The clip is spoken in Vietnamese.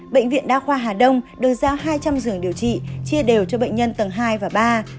bệnh viện đa khoa hà đông được giao hai trăm linh giường điều trị chia đều cho bệnh nhân tầng hai và ba